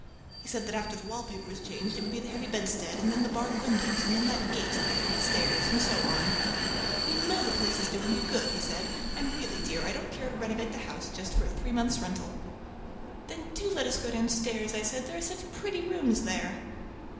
He said that after the wallpaper was changed it would be the heavy bedstead, and then the barred windows, and then that gate at the head of the stairs, and so on. "You know the place is doing you good," he said, "and really, dear, I don't care to renovate the house just for a three months' rental." "Then do let us go downstairs," I said, "there are such pretty rooms there."